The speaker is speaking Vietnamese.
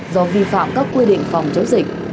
do vi phạm các quy định phòng chống dịch